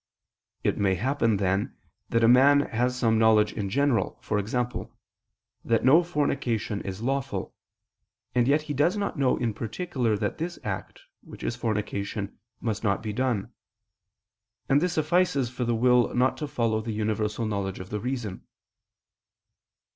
It may happen, then, that a man has some knowledge in general, e.g. that no fornication is lawful, and yet he does not know in particular that this act, which is fornication, must not be done; and this suffices for the will not to follow the universal knowledge of the reason.